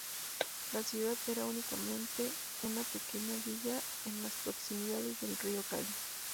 La ciudad era únicamente una pequeña villa en las proximidades del río Cali.